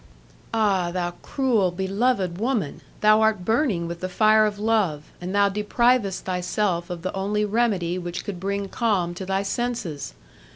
"Ah, thou cruel, beloved woman! Thou art burning with the fire of love, and thou deprivest thyself of the only remedy which could bring calm to thy senses!